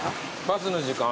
バスの時間？